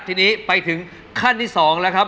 ทีนี้ไปถึงขั้นที่๒แล้วครับ